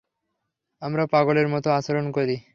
আমরা পাগলের মতো আচরণ করি।